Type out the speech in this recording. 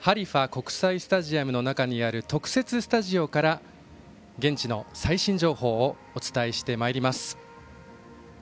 国際スタジアムの中の特設スタジオから現地の最新情報をお伝えしてまいります。